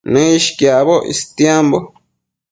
Nëishquiacboc istiambo